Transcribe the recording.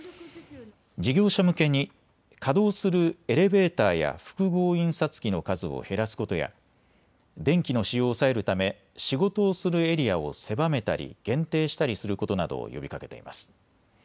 事業者向けに稼働するエレベーターや複合印刷機の数を減らすことや電気の使用を抑えるため仕事をするエリアを狭めたり限定したりすることなどを呼びかけています。